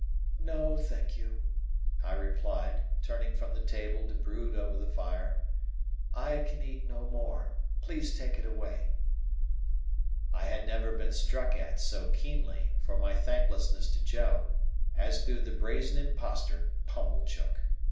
"No, thank you," I replied, turning from the table to brood over the fire. "I can eat no more. Please take it away." I had never been struck at so keenly, for my thanklessness to Joe, as through the brazen impostor Pumblechook.